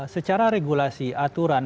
secara regulasi aturan